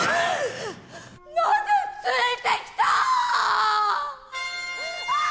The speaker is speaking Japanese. なぜついてきた！？